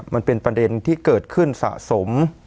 มันเป็นประเด็นที่เกิดขึ้นสะสม